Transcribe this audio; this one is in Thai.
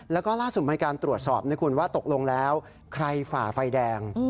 แล้วก็ล่าสุดมีการตรวจสอบนะคุณว่าตกลงแล้วใครฝ่าไฟแดง